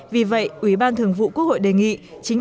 vì vậy ủy ban thường vụ quốc hội đề nghị và thượng vụ quốc hội đề nghị